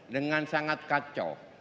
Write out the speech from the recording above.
dengan sangat kacau